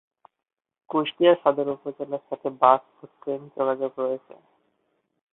কুষ্টিয়া সদর উপজেলার সাথে বাস এবং ট্রেন যোগাযোগ আছে।